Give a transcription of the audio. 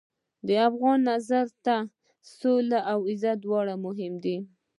د افغان نظر ته سوله او عزت دواړه مهم دي.